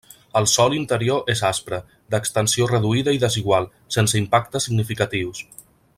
El sòl interior és aspre, d'extensió reduïda i desigual, sense impactes significatius.